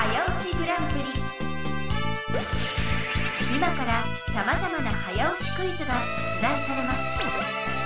今からさまざまな早押しクイズが出だいされます。